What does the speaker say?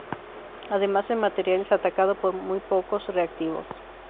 Además, el material es atacado por muy pocos reactivos.